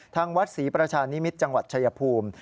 ทางวัดศรีประชานิมิตรจังหวัดชายภูมิ